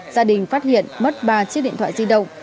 gia đình phát hiện mất ba chiếc điện thoại di động